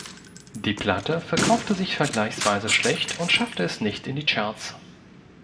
Die Platte verkaufte sich vergleichsweise schlecht und schaffte es nicht in die Charts.